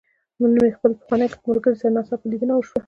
نن مې د خپل پخواني ملګري سره ناڅاپه ليدنه وشوه.